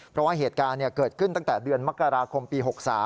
เพราะว่าเหตุการณ์เกิดขึ้นตั้งแต่เดือนมกราคมปี๖๓